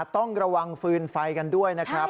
ต้องระวังฟืนไฟกันด้วยนะครับ